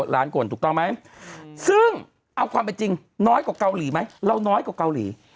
เราน้อยกว่าเกาหลี